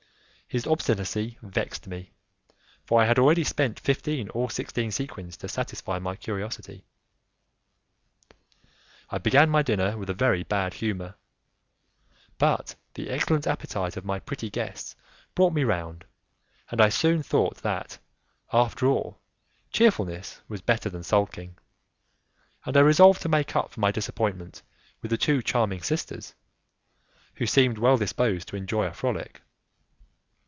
His obstinacy vexed me, for I had already spent fifteen or sixteen sequins to satisfy my curiosity. I began my dinner with a very bad humour, but the excellent appetite of my pretty guests brought me round, and I soon thought that, after all, cheerfulness was better than sulking, and I resolved to make up for my disappointment with the two charming sisters, who seemed well disposed to enjoy a frolic.